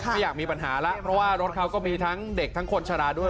ไม่อยากมีปัญหาแล้วเพราะว่ารถเขาก็มีทั้งเด็กทั้งคนชะลาด้วย